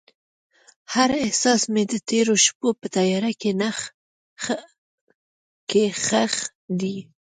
هر احساس مې د تیرو شپو په تیاره کې ښخ دی.